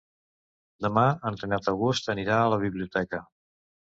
Demà en Renat August anirà a la biblioteca.